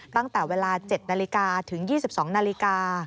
ตั้งแต่เวลา๗นาฬิกาถึง๒๒นาฬิกา